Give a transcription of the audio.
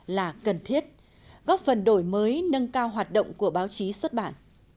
là cần thiết góp phần đổi mới nâng cao hoạt động của báo chí xuất bản